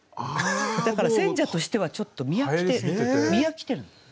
だから選者としてはちょっと見飽きてるの。